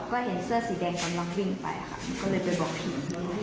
ก็เลยมาบอกพี่